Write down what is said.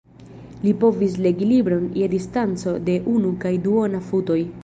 Li povis "legi libron je distanco de unu kaj duona futoj".